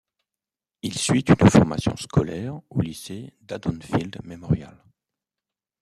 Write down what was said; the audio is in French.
Il suit une formation scolaire au lycée d’Haddonfield Memorial.